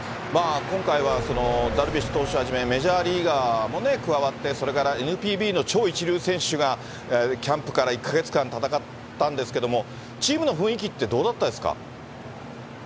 今回はダルビッシュ投手はじめ、メジャーリーガーも加わって、それからＮＰＢの超一流選手が、キャンプから１か月間戦ったんですけれども、チームの雰囲気ってどうだったですか。